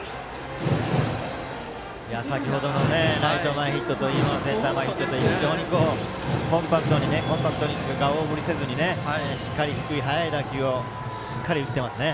先程のライト前ヒットといい今のセンター前ヒットといい非常にコンパクトにというか大振りせずにしっかり低くて速い打球を打っていますね。